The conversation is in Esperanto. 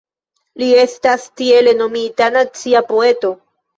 Li estas tiele nomita "nacia poeto".